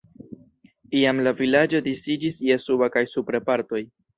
Iam la vilaĝo disiĝis je suba kaj supre partoj.